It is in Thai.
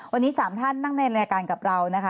วันนี้๓ท่านนั่งในรายการกับเรานะคะ